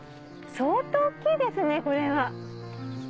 相当大っきいですねこれは。